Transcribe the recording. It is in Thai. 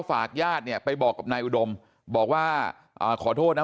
ฝากญาติเนี่ยไปบอกกับนายอุดมบอกว่าอ่าขอโทษนะ